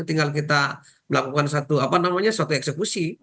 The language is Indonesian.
tinggal kita melakukan satu apa namanya suatu eksekusi